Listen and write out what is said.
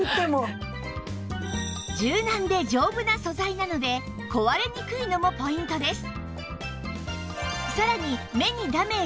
柔軟で丈夫な素材なので壊れにくいのもポイントです